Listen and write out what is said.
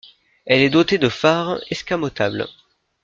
Elle est dotée de phares escamotables.